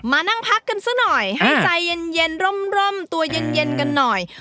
มานั่งพักกันซะหน่อยให้ใจเย็นร่มตัวเย็นกันหน่อย